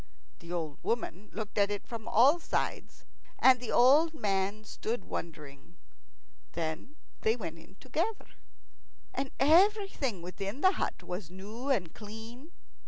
The old woman looked at it from all sides. And the old man stood, wondering. Then they went in together. And everything within the hut was new and clean.